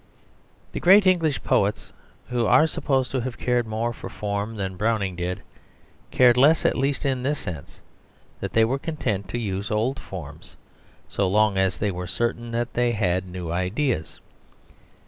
The great English poets who are supposed to have cared more for form than Browning did, cared less at least in this sense that they were content to use old forms so long as they were certain that they had new ideas.